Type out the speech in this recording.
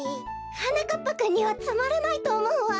はなかっぱくんにはつまらないとおもうわ。